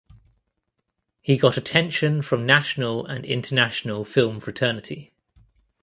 He got attention from national and international film fraternity.